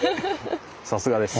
さすがです。